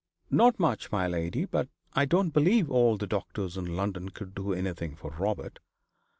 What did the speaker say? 'Not much, my lady. But I don't believe all the doctors in London could do anything for Robert.